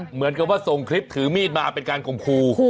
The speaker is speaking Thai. เหมือนกับว่าส่งคลิปถือมีดมาเป็นการข่มครู